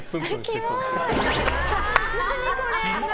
何これ！